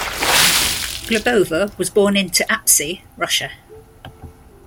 Glebova was born in Tuapse, Russia.